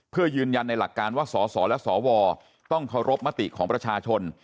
เพื่อยืนยันในหลักการว่าสสและสวต้องเคารพมติของประชาชน